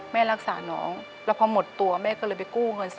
แม่รักษาน้องแล้วพอหมดตัวแม่ก็เลยไปกู้เงิน